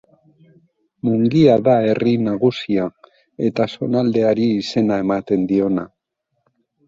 Mungia da herri nagusia eta zonaldeari izena ematen diona.